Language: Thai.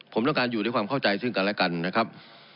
ผมต้องการอยู่ด้วยความเข้าใจซึ่งกันและกันนะครับ